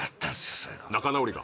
それが仲直りが？